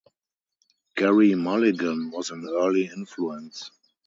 Gerry Mulligan was an early influence.